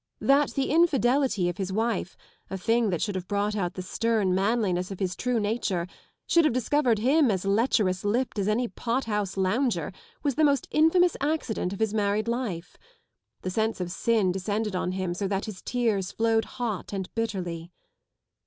That the infidelity of his wife, a thing that should have brought out the stern manliness of his true nature, should have discovered him as lecherous*!lpped as any pot house lounger, was the most infamous accident of his married life. The sense of sin descended on him so that his tears Sowed hot and bitterly.